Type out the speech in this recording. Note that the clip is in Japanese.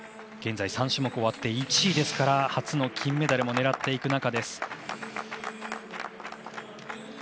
現在３種目が終わって１位ですから初の金メダルも狙っていく中です。